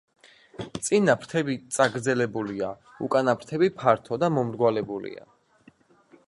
წინა ფრთები წაგრძელებულია, უკანა ფრთები ფართო და მომრგვალებულია.